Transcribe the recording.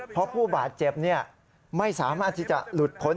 เพราะผู้บาดเจ็บไม่สามารถที่จะหลุดพ้น